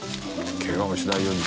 ケガをしないように。